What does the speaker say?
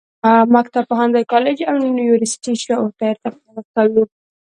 مکتب، پوهنتون، کالج او یونیورسټي شعور ته ارتقا ورکوي.